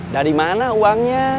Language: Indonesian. dari mana uangnya